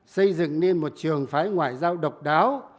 xây dựng nên một trường phái ngoại giao độc đáo